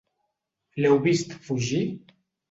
L'heu vist fugir?